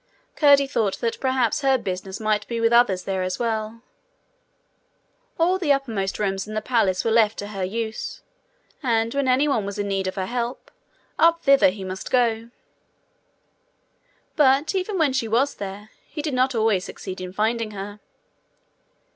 Curdie thought that perhaps her business might be with others there as well. All the uppermost rooms in the palace were left to her use, and when any one was in need of her help, up thither he must go. But even when she was there, he did not always succeed in finding her.